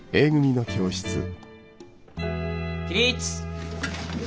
・起立！